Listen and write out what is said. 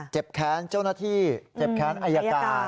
แค้นเจ้าหน้าที่เจ็บแค้นอายการ